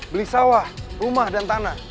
beli sawah rumah dan tanah